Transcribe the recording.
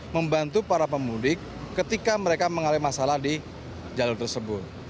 membantu para pemudik ketika mereka mengalami masalah di jalur tersebut